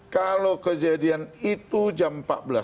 kalau kejadian itu jam empat belas